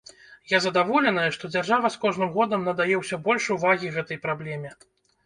Я задаволеная, што дзяржава з кожным годам надае ўсё больш увагі гэтай праблеме.